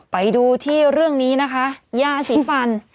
ไปดูที่เรื่องนี้นะคะยาสีฟัน